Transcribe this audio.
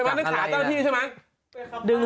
ดึงหาวีคมันอยู่